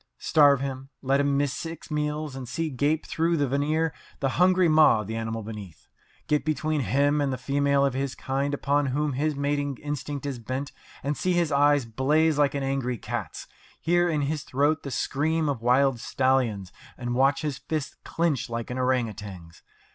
Starve him, let him miss six meals, and see gape through the veneer the hungry maw of the animal beneath. Get between him and the female of his kind upon whom his mating instinct is bent, and see his eyes blaze like an angry cat's, hear in his throat the scream of wild stallions, and watch his fists clench like an orang outang's.